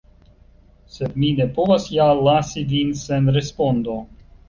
Sed mi ne povas ja lasi vin sen respondo.